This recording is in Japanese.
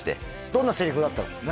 どんな台詞があったんですか？